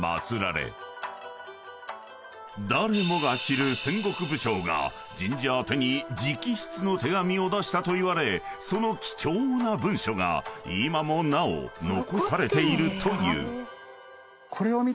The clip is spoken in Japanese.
［誰もが知る戦国武将が神社宛てに直筆の手紙を出したといわれその貴重な文書が今もなお残されているという］